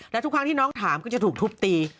และทุกครั้งที่น้องถามก็จะถูกทุบตี